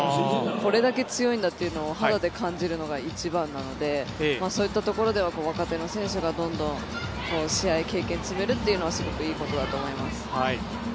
これだけ強いんだというのは肌で感じるのが一番なのでそういったところでは若手の選手がどんどん試合経験を積めるというのはすごくいいことだと思います。